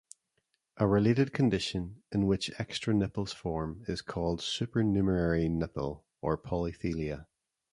A related condition, in which extra nipples form, is called "supernumerary nipple" or "polythelia".